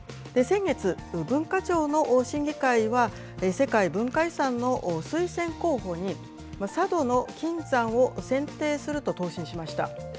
先月、文化庁の審議会は、世界文化遺産の推薦候補に、佐渡島の金山を選定すると答申しました。